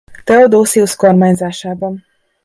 Theodosius kormányzásában.